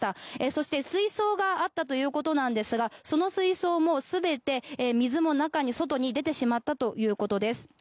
そして、水槽があったということなんですがその水槽も全て水も外に出てしまったということです。